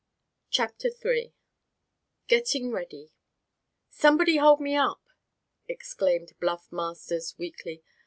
CHAPTER III GETTING READY "Somebody hold me up!" exclaimed Bluff Masters, weakly.